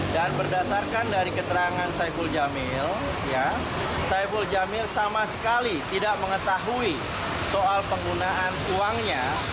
berdasarkan dari keterangan saiful jamil saiful jamil sama sekali tidak mengetahui soal penggunaan uangnya